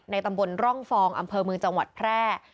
ตำบลร่องฟองอำเภอเมืองจังหวัดแพร่